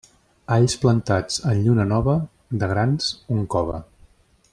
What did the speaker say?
Alls plantats en lluna nova, de grans un cove.